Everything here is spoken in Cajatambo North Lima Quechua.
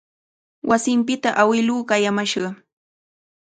Wasinpitami awiluu qayamashqa.